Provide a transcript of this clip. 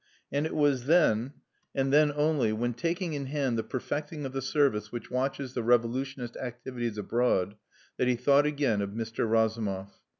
And it was then, and then only, when taking in hand the perfecting of the service which watches the revolutionist activities abroad, that he thought again of Mr. Razumov.